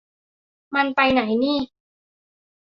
มันไปไหนนี่